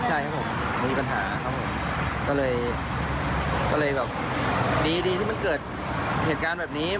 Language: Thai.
ใช่ครับผมมีปัญหาครับผมก็เลยแบบดีที่มันเกิดเหตุการณ์แบบนี้